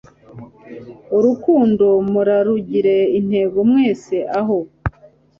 urukundo, murarugire intego mwese aho